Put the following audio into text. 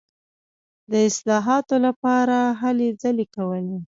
د اصلاحاتو لپاره هلې ځلې کولې.